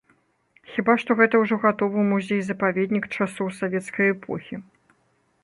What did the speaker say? Хіба што гэта ўжо гатовы музей-запаведнік часоў савецкай эпохі.